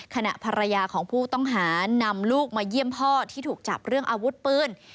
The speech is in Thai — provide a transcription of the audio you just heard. ขณะภรรยาของผู้ต้องหานำลูกมาเยี่ยมพ่อที่ถูกจับเรื่องอาวุธปืน